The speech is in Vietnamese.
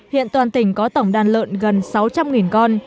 hiện toàn tỉnh có tổng đàn lợn gần sáu trăm linh con